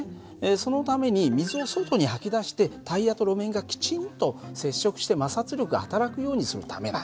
そのために水を外に吐き出してタイヤと路面がきちんと接触して摩擦力がはたらくようにするためなんだよ。